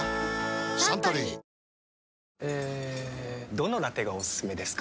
どのラテがおすすめですか？